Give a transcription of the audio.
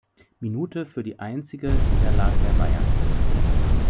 Minute für die einzige Niederlage der Bayern.